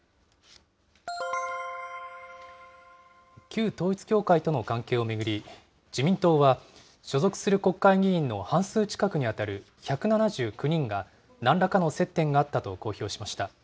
旧統一教会との関係を巡り、自民党は所属する国会議員の半数近くに当たる１７９人が、なんらかの接点があったと公表しました。